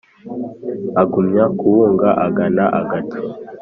Agumya kubunga agana agacucu.